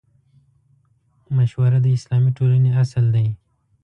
مشوره د اسلامي ټولنې اصل دی.